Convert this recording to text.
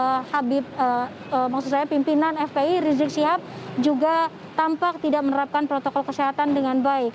itu semua adalah sejumlah kegiatan yang mengundang kerumunan massa dan pimpinan fpi rizik shihab juga tampak tidak menerapkan protokol kesehatan dengan baik